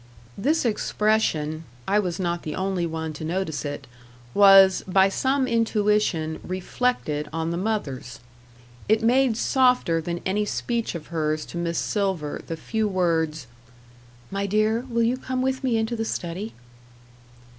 This expression I was not the only one to notice it was, by some intuition, reflected on the mother's. It made softer than any speech of hers to Miss Silver the few words "My dear, will you come with me into the study?"